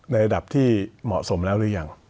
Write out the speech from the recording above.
ระดับที่เหมาะสมแล้วหรือยัง